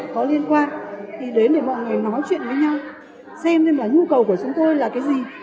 có liên quan thì đến để mọi người nói chuyện với nhau xem xem là nhu cầu của chúng tôi là cái gì